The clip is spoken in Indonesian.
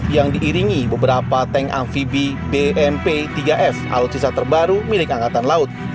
yang diiringi beberapa tank amfibi bmp tiga f alutsisa terbaru milik angkatan laut